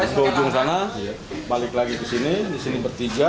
dia pakai envu bohong sana balik lagi kesini disini bertiga